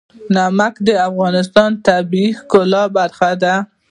نمک د افغانستان د طبیعت د ښکلا برخه ده.